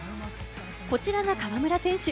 こちらが河村選手。